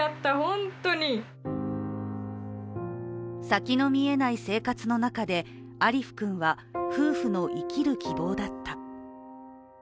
先の見えない生活の中で、アリフ君は夫婦の生きる希望だった。